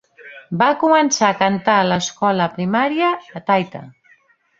Va començar a cantar a l'escola primària a Taita.